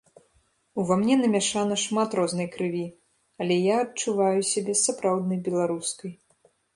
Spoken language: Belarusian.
Ува мне намяшана шмат рознай крыві, але я адчуваю сябе сапраўднай беларускай.